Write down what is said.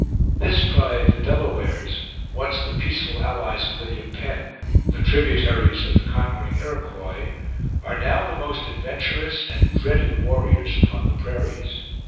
This tribe, the Delawares, once the peaceful allies of William Penn, the tributaries of the conquering Iroquois, are now the most adventurous and dreaded warriors upon the prairies.